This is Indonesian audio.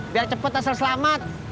biar cepet asal selamat